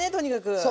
そう。